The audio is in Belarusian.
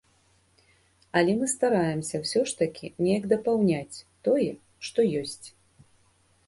Але мы стараемся ўсё ж такі неяк дапаўняць тое, што ёсць.